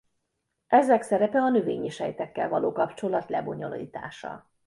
Ezek szerepe a növényi sejtekkel való kapcsolat lebonyolítása.